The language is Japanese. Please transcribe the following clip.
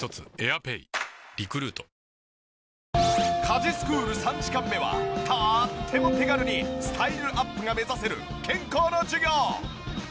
家事スクール３時間目はとーっても手軽にスタイルアップが目指せる健康の授業。